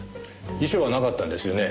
遺書はなかったんですよね？